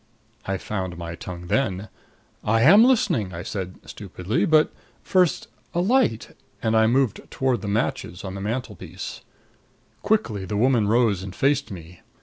I found my tongue then. "I am listening," I said stupidly. "But first a light " And I moved toward the matches on the mantelpiece. Quickly the woman rose and faced me.